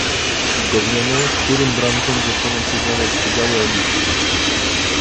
Uzgodniono, którym branżom zostaną przyznane przydziały emisji